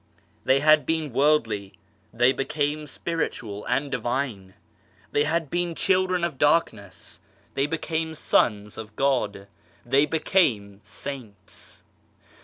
They had been worldly, they became spiritual and divine. They had been children of darkness, they PROGRESS 55 became sons of God, they became saints